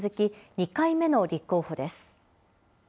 ２回目の立候補です。